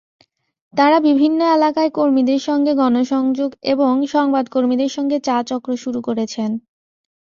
তাঁরা বিভিন্ন এলাকায় কর্মীদের সঙ্গে গণসংযোগ এবং সংবাদকর্মীদের সঙ্গে চা-চক্র শুরু করেছেন।